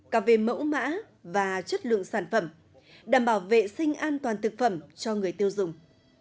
cả về mẫu mã và chất lượng sản phẩm đảm bảo vệ sinh an toàn thực phẩm cho người tiêu dùng